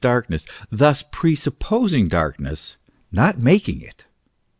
87 darkness, thus presupposing darkness, not making it.